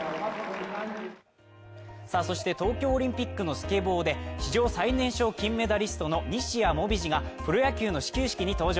そして東京オリンピックのスケボーで史上最年少金メダリストの西矢椛がプロ野球の始球式に登場。